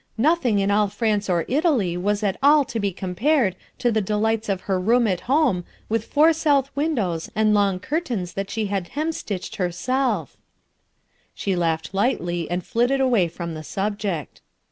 Nothing in all France or Italy waa :a ftfl to be compared to the delights of her room at home with four south windows and long curtains that she had hemstitched herself/' She laughed lightly and flitted away from the subject.